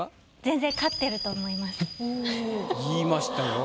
全然言いましたよ。